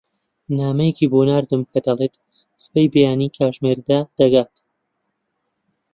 نامەیەکی بۆ ناردم کە دەڵێت سبەی بەیانی کاتژمێر دە دەگات.